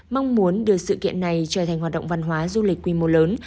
mong muốn đưa sự kiện này trở thành hoạt động văn hóa du lịch quy mô lớn